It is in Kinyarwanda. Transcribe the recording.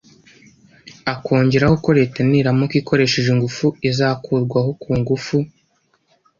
akongeraho ko Leta niramuka ikoresheje ingufu izakurwaho ku ngufu